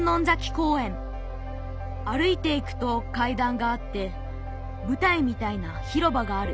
歩いていくとかいだんがあってぶたいみたいな広場がある。